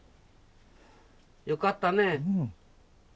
よかったね。